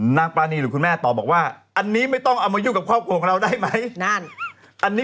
นางป้านีหรือคุณแม่ตอบบอกว่า